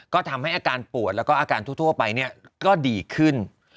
ก็ทำให้อาการปวดแล้วก็อาการทั่วไปก็ดีขึ้น